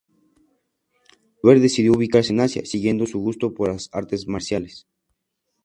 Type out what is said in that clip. Al volver decidió ubicarse en Asia siguiendo su gusto por las artes marciales.